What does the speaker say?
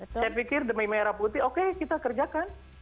saya pikir demi merah putih oke kita kerjakan